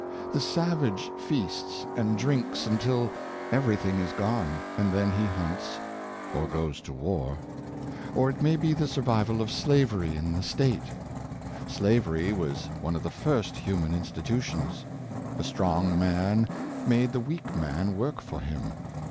The savage feasts and drinks until everything is gone; and then he hunts or goes to war. Or it may be the survival of slavery in the State. Slavery was one of the first of human institutions. The strong man made the weak man work for him.